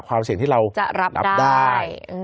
ความเสี่ยงที่เรารับได้